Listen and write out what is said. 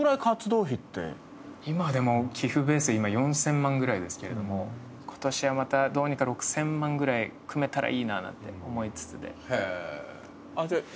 今は寄付ベース４０００万ぐらいですけれども今年はまたどうにか６０００万ぐらい組めたらいいななんて思いつつで。